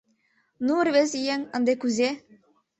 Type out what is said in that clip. Ну, рвезыеҥ, ынде кузе?